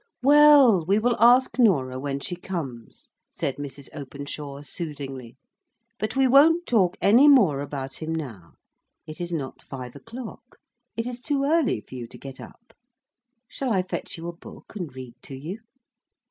"Well! we will ask Norah when she comes," said Mrs. Openshaw, soothingly. "But we won't talk any more about him now. It is not five o'clock; it is too early for you to get up. Shall I fetch you a book and read to you?"